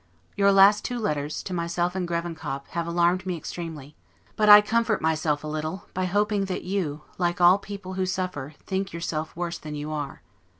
Your last two letters, to myself and Grevenkop, have alarmed me extremely; but I comfort myself a little, by hoping that you, like all people who suffer, think yourself worse than you are.